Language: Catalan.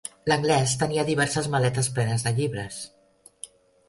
L'anglès tenia diverses maletes plenes de llibres.